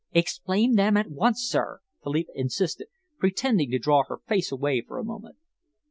"Explain them at once, sir!" Philippa insisted, pretending to draw her face away for a moment.